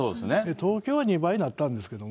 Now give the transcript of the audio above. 東京２倍になったんですけど、